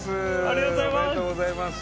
ありがとうございます！